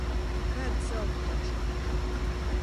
Pērc zeltu taču.